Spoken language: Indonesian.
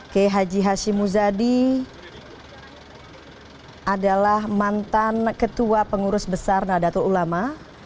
kiai haji hashim muzadi adalah mantan ketua pengurus besar nadatul ulama